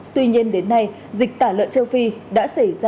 tuy nhiên đến nay dịch tả lợn châu phi đã xảy ra